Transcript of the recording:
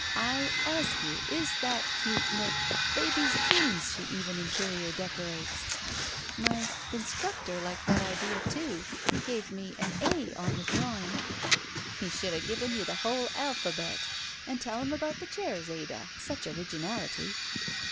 I ask you, is that cute, Nick? Baby's dreams she even interior decorates." My — instructor liked that idea, too. He gave me *A' on the drawing." "He should have given you the whole alpha^ bet. And tell him about the chairs, Ada. Sudi originality."